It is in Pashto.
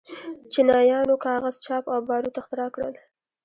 چینایانو کاغذ، چاپ او باروت اختراع کړل.